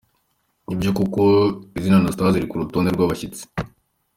Ni byo koko izina Anastase riri ku rutonde rw’abashyitsi.